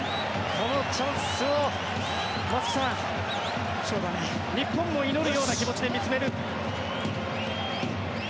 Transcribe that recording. このチャンスを松木さん日本も祈るような気持ちで見つめる。